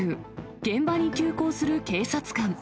現場に急行する警察官。